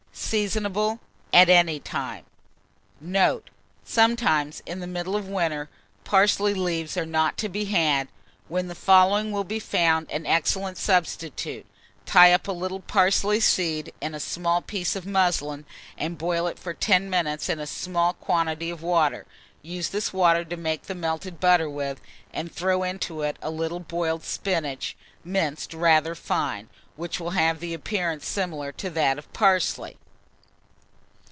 Seasonable at any time. Note. Sometimes, in the middle of winter, parsley leaves are not to be had, when the following will be found an excellent substitute: Tie up a little parsley seed in a small piece of muslin, and boil it for 10 minutes in a small quantity of water; use this water to make the melted butter with, and throw into it a little boiled spinach, minced rather fine, which will have an appearance similar to that of parsley.